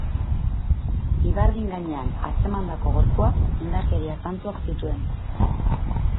Ibardin gainean atzemandako gorpuak indarkeria zantzuak zituen.